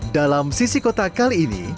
dalam sisi kota kali ini